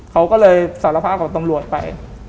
เขาก็เลยสารภาพของตำรวจไป